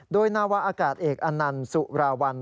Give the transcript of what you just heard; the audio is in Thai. โดยนาวาอากาศเอกอนันต์สุราวัล